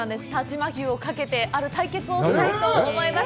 但馬牛をかけてある対決をしたいと思います。